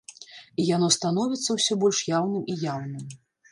І яно становіцца ўсё больш яўным і яўным.